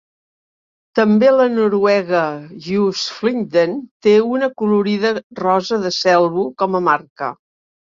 També la noruega Husfliden té una colorida rosa de Selbu com a marca.